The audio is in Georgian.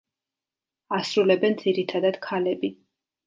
ასრულებენ ძირითადად ქალები.